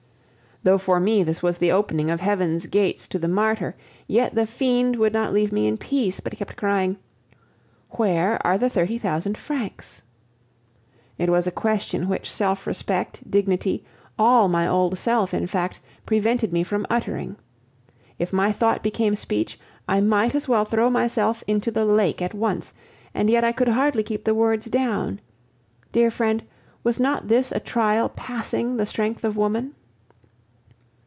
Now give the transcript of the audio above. Though for me this was the opening of heaven's gates to the martyr, yet the fiend would not leave me in peace, but kept crying, "Where are the thirty thousand francs?" It was a question which self respect, dignity, all my old self in fact, prevented me from uttering. If my thought became speech, I might as well throw myself into the lake at once, and yet I could hardly keep the words down. Dear friend, was not this a trial passing the strength of woman?